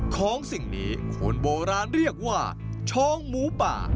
สิ่งนี้คนโบราณเรียกว่าช้องหมูป่า